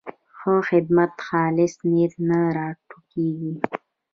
ښه خدمت د خالص نیت نه راټوکېږي.